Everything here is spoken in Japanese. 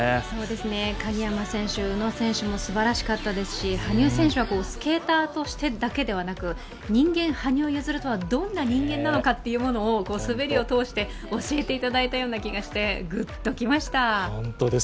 鍵山選手、宇野選手もすばらしかったですし、羽生選手はスケーターとしてだけではなく人間・羽生結弦とはどんな人間なのかを滑りを通して教えていただいたような気がして、グッときました。